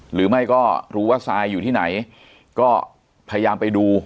หรือไม่ก็รู้ว่าทรายอยู่ที่ไหนก็พยายามไปดู